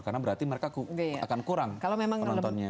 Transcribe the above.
karena berarti mereka akan kurang penontonnya